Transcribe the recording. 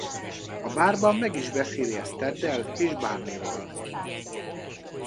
A bárban meg is beszéli ezt teddel és Barneyval.